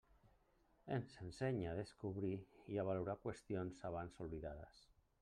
Ens ensenya a descobrir i valorar qüestions abans oblidades.